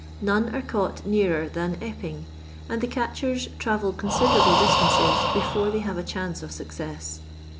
None are caught nearer than Epping, and the catchers travel considerable distances before they have a chance of success.